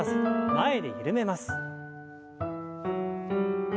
前で緩めます。